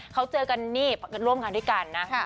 เขาเจอกันนี่ร่วมงานด้วยกันนะ